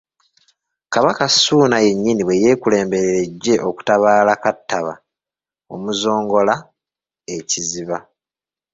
Kabaka Ssuuna yennyini bwe yeekulemberera eggye okutabaala Kattaba Omuzongola e Kiziba.